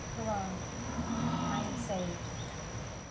Hurrah! I am Saved!